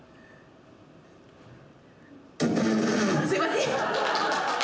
すいません。